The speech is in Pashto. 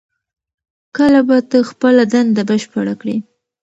کله به ته خپله دنده بشپړه کړې؟